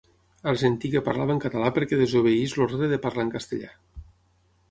Argentí que parlava en català perquè ‘desobeeix’ l’ordre de parlar en castellà.